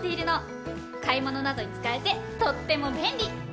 買い物などに使えてとっても便利！